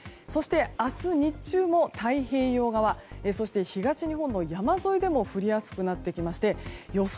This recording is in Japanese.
明日日中も太平洋側そして、東日本の山沿いでも降りやすくなってきまして予想